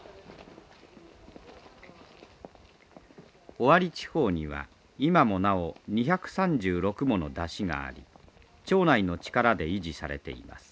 尾張地方には今もなお２３６もの山車があり町内の力で維持されています。